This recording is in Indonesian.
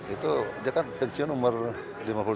itu kan pensiun umur